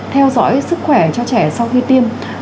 theo dõi sức khỏe cho trẻ sau khi tiêm